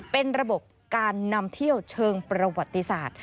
เป็นระบบการนำเที่ยวเชิงประวัติศาสตร์